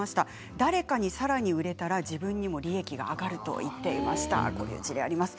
誰かにさらに売れたら自分にも利益が上がると言っていました。